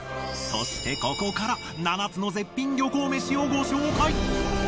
そしてここから７つの絶品漁港飯をご紹介。